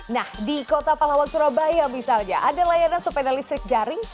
nah di kota palawan surabaya misalnya ada layanan sepeda listrik jaring